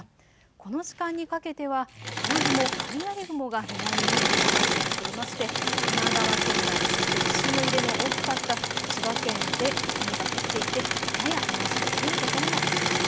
この時間にかけては雨雲、雷雲が南に下がってきていまして神奈川県内、そして地震の揺れの大きかった千葉県で雨が降っていて、やや雨足の強い所もあります。